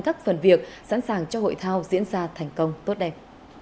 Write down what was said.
các phần việc sẵn sàng cho hội thao diễn ra thành công tốt đẹp